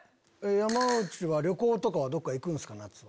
山内は旅行とかはどっか行く？夏。